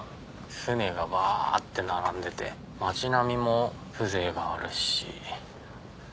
船がバって並んでて町並みも風情があるし。